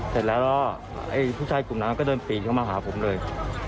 เสร็จแล้วก็ไอ้ผู้ชายกลุ่มนั้นก็เดินปีนเข้ามาหาผมเลย